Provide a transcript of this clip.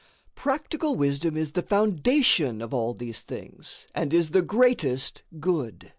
Practical wisdom is the foundation of all these things and is the greatest good.